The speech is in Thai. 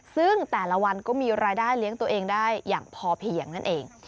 ซึ่งแต่ละวันก็มีรายได้เลี้ยงตัวเองได้อย่างพอเพียงนั่นเอง